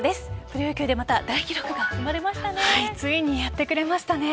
プロ野球でまた大記録が生まれましたね。